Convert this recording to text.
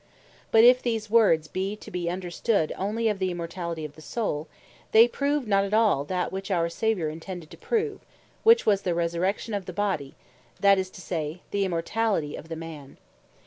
But if these words be to be understood only of the Immortality of the Soul, they prove not at all that which our Saviour intended to prove, which was the Resurrection of the Body, that is to say, the Immortality of the Man.